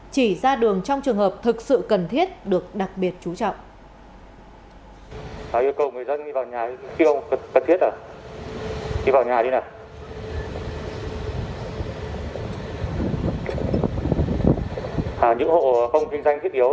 chỉ ra đường trong trường hợp thực sự cần thiết được đặc biệt chú trọng